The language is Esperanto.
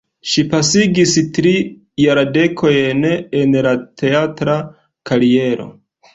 Ŝi pasigis tri jardekojn en la teatra kariero.